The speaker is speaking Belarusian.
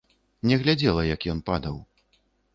Не глядзела, як ён падаў.